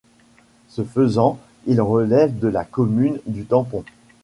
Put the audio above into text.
Ce faisant, il relève de la commune du Tampon.